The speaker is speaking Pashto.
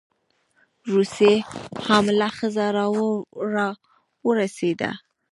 روسۍ حامله ښځه راورسېده.